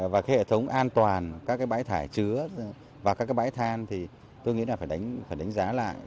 và cái hệ thống an toàn các cái bãi thải chứa và các cái bãi than thì tôi nghĩ là phải đánh phải đánh giá lại